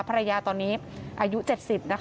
ภรรยาตอนนี้อายุ๗๐นะคะ